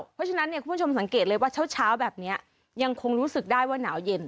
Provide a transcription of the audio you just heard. เพราะฉะนั้นเนี่ยคุณผู้ชมสังเกตเลยว่าเช้าแบบนี้ยังคงรู้สึกได้ว่าหนาวเย็น